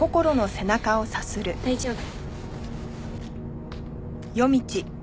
大丈夫。